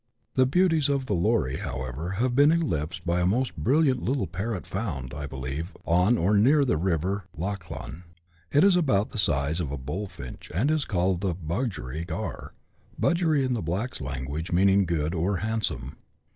The beauties of the lorie, however, have been eclipsed by a most brilliant little parrot, found, I believe, on or near the river Lachlan. It is about the size of a bullfinch, and is called the budgery garr (budgery, in the blacks' language, meaning good or handsome).